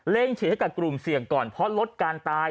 ฉีดให้กับกลุ่มเสี่ยงก่อนเพราะลดการตาย